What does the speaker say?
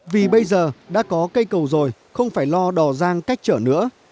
vì bây giờ đã có cây cầu rồi không phải lo đò rang cách chở nữa